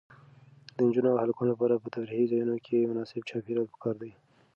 د نجونو او هلکانو لپاره په تفریحي ځایونو کې مناسب چاپیریال پکار دی.